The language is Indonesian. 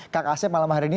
kak asep malam hari ini